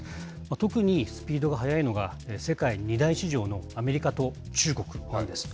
特にスピードが速いのが、世界２大市場のアメリカと中国なんです。